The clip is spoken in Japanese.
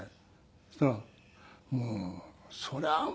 そしたら「もうそりゃ大変よ」。